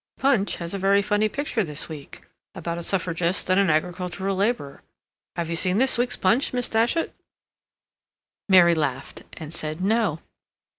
"Punch" has a very funny picture this week, about a Suffragist and an agricultural laborer. Have you seen this week's "Punch," Miss Datchet?" Mary laughed, and said "No."